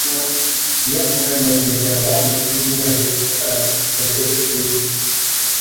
Ён мае мэтанакіраваны і немудрагелісты характар, заўсёды шчыры.